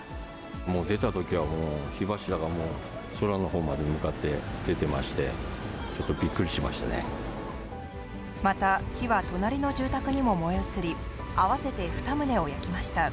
もう出たときはもう、火柱が空のほうまで向かって出てまして、ちょっとびっくりしましまた、火は隣の住宅にも燃え移り、合わせて２棟を焼きました。